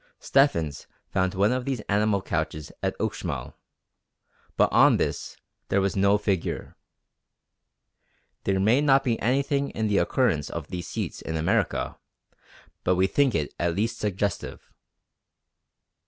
Stephens found one of these animal couches at Uxmal, but on this there was no figure. There may not be anything in the occurrence of these seats in America; but we think it at least suggestive.